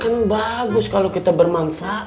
kan bagus kalau kita bermanfaat aduh kom